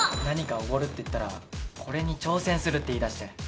何かおごるって言ったらこれに挑戦するって言いだして。